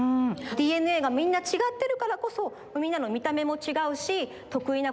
ＤＮＡがみんなちがってるからこそみんなのみためもちがうしとくいなこともちがう。